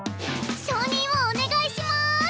承認をお願いします！